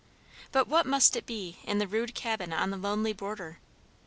But what must it be in the rude cabin on the lonely border?